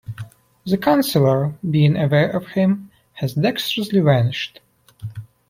The Chancellor, being aware of him, has dextrously vanished.